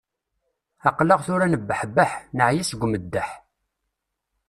Aql-aɣ tura nebbeḥbeḥ, neɛya seg umeddeḥ